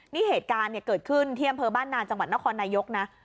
นี่เหตุการณ์เนี่ยเกิดขึ้นเที่ยงบ้านนานจังหวัดนครนายกนะ